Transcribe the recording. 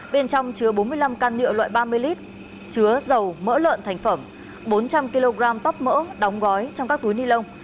bên trong chứa bốn mươi năm can nhựa loại ba mươi lít chứa dầu mỡ lợn thành phẩm bốn trăm linh kg tóp mỡ đóng gói trong các túi ni lông